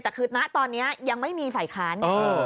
แต่คือณตอนนี้ยังไม่มีฝ่ายค้าน